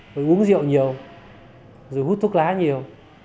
rồi uống rượu nhiều rồi hút thuốc lá nhiều